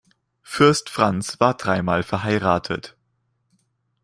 Fürst Franz war dreimal verheiratet.